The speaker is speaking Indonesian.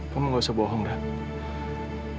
kamu gak usah bohong berarti